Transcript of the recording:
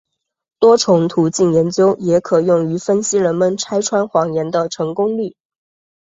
多重途径研究也可用于分析人们拆穿谎言的成功率。